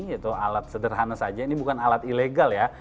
yaitu alat sederhana saja ini bukan alat ilegal ya